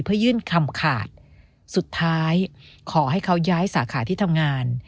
เพื่อยื่นคำขาดสุดท้ายขอให้เขาย้ายสาขาที่ทำงาน